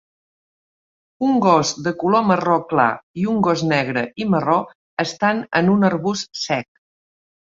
Un gos de color marró clar i un gos negre i marró estan en un arbust sec